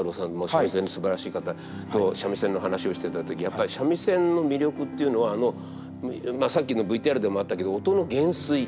三味線のすばらしい方と三味線の話をしてた時やっぱり三味線の魅力っていうのはさっきのＶＴＲでもあったけど音の減衰。